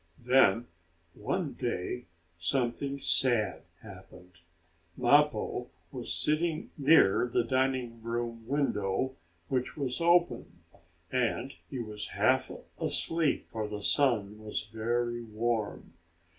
Then, one day, something sad happened. Mappo was sitting near the dining room window, which was open, and he was half asleep, for the sun was very warm.